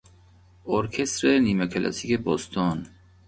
ارکستر نیمه کلاسیک بوستون